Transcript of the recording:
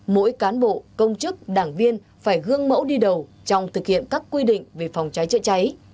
mỗi cán bộ công chức đảng viên phải gương mẫu đi đầu trong thực hiện các quy định về phòng cháy chữa cháy